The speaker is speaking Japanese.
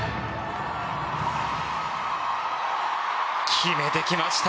決めてきました！